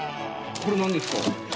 これなんですか？